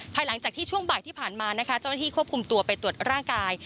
หลังจากที่ช่วงบ่ายที่ผ่านมานะคะเจ้าหน้าที่ควบคุมตัวไปตรวจร่างกาย